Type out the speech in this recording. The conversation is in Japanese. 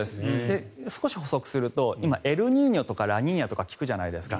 少し補足すると今、エルニーニョとかラニーニャとか聞くじゃないですか。